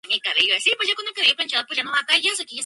Etimológicamente deriva del latín "aqua" y "bonus".